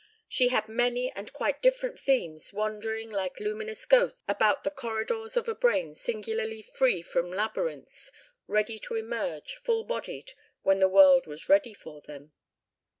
She had many and quite different themes wandering like luminous ghosts about the corridors of a brain singularly free from labyrinths, ready to emerge, full bodied, when the world was ready for them.